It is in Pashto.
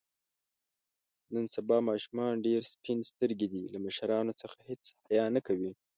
نن سبا ماشومان ډېر سپین سترګي دي. له مشرانو څخه هېڅ حیا نه کوي.